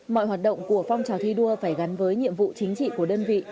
mọi hoạt động của phong trào thi đua phải gắn với nhiệm vụ chính trị của đơn vị